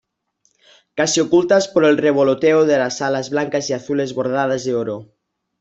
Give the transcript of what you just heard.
casi ocultas por el revoloteo de las alas blancas y azules bordadas de oro.